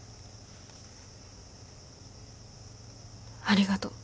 ありがとう。